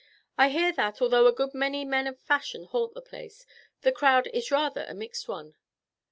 "I hear that, although a good many men of fashion haunt the place, the crowd is rather a mixed one."